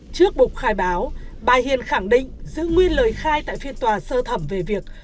trước bục khai báo bà hiền khẳng định giữ nguyên lời khai tại phiên tòa sơ thẩm về việc